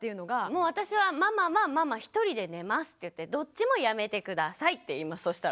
もう私は「ママはママ１人で寝ます」って言って「どっちもやめて下さい」って言いますそうしたら。